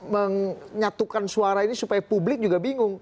menyatukan suara ini supaya publik juga bingung